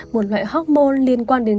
một loại hormone liên quan đến